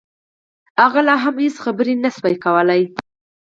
هغه لا هم هېڅ خبرې نشوای کولای